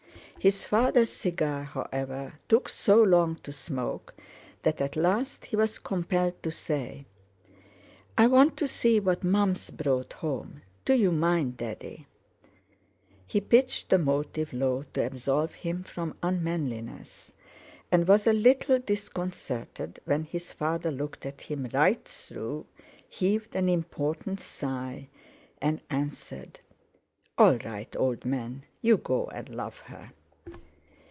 His father's cigar, however, took so long to smoke, that at last he was compelled to say: "I want to see what Mum's brought home. Do you mind, Daddy?" He pitched the motive low, to absolve him from unmanliness, and was a little disconcerted when his father looked at him right through, heaved an important sigh, and answered: "All right, old man, you go and love her."